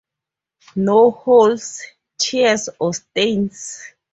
No holes, tears, or stains.